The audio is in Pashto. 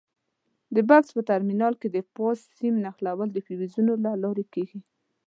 د بکس په ټرمینل کې د فاز سیم نښلول د فیوزونو له لارې کېږي.